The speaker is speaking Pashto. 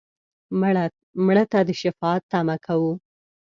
مړه ته د شفاعت تمه کوو